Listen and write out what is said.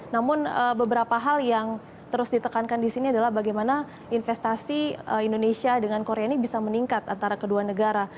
namun beberapa hal yang terus ditekankan di sini adalah bagaimana investasi indonesia dengan korea ini bisa meningkat antara kedua negara